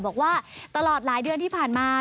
บอกว่าตลอดหลายเดือนที่ผ่านมา